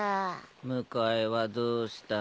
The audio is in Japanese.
迎えはどうした。